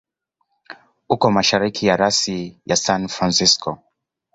Uko mashariki ya rasi ya San Francisco.